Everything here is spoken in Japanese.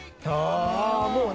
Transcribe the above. あもうね。